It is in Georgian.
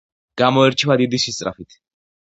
გამოირჩევა დიდი სისწრაფით.